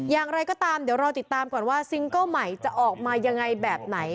อย่างไรก็ตามเดี๋ยวรอติดตามก่อนว่าซิงเกิ้ลใหม่จะออกมายังไงแบบไหน